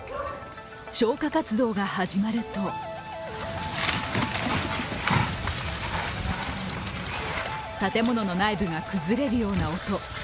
消火活動が始まると建物の内部が崩れるような音。